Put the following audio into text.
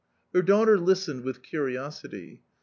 Her daughter listened with curiosity.